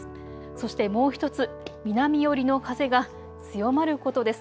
そしてもう１つ、南寄りの風が強まることです。